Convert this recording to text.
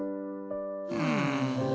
うん。